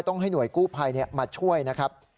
ให้หน่วยกู้ภัยมาช่วยนะครับ